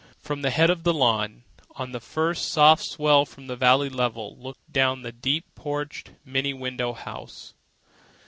From the head of the lawn, on the first soft swell from the valley level, looked down the deep porched, many windowed house.